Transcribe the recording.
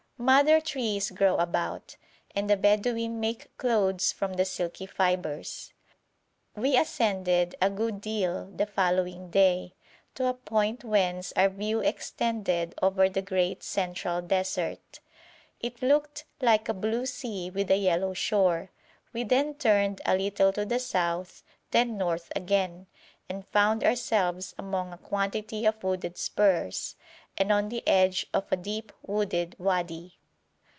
Madder trees grow about, and the Bedouin make clothes from the silky fibres. We ascended a good deal the following day, to a point whence our view extended over the great central desert. It looked like a blue sea with a yellow shore. We then turned a little to the south, then north again, and found ourselves among a quantity of wooded spurs, and on the edge of a deep wooded wadi.